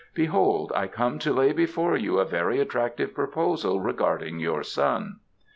Behold, I come to lay before you a very attractive proposal regarding your son."